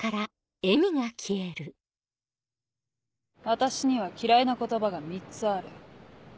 私には嫌いな言葉が３つある。